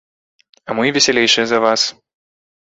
А мы весялейшыя за вас.